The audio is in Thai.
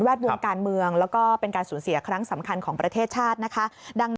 ดวงการเมืองแล้วก็เป็นการสูญเสียครั้งสำคัญของประเทศชาตินะคะดัง